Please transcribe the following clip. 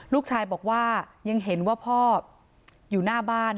ลูกชายบอกว่ายังเห็นว่าพ่ออยู่หน้าบ้าน